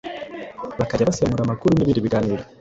bakajya basemura amakuru n’ibindi biganiro